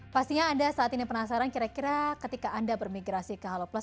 pastinya anda saat ini penasaran kira kira ketika anda bermigrasi ke halo plus